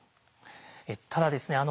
ただですね